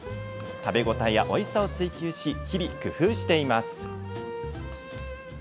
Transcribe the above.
食べ応えやおいしさを追求し日々工夫しています。